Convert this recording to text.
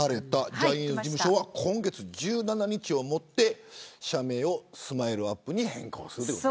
ジャニーズ事務所は今月１７日をもって社名をＳＭＩＬＥ−ＵＰ．に変更する。